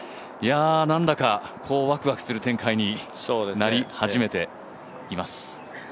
なんだかワクワクする展開になり始めています。